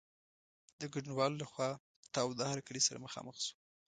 د ګډونوالو له خوا تاوده هرکلی سره مخامخ شو.